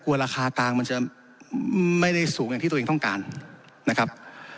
ราคากลางมันจะไม่ได้สูงอย่างที่ตัวเองต้องการนะครับ